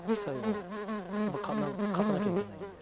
勝たなきゃいけないんで。